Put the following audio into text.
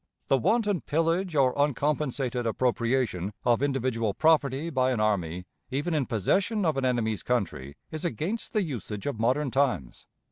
The wanton pillage or uncompensated appropriation of individual, property by an army even in possession of an enemy's country is against the usage of modern times.